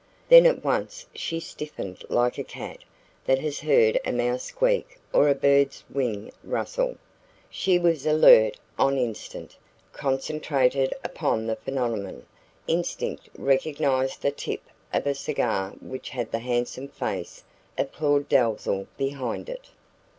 Then at once she stiffened like a cat that has heard a mouse squeak or a bird's wing rustle; she was alert on the instant, concentrated upon the phenomenon. Instinct recognised the tip of a cigar which had the handsome face of Claud Dalzell behind it.